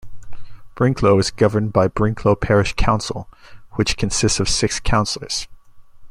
Brinklow is governed by Brinklow Parish Council, which consists of six councillors.